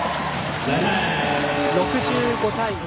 ６５対５２。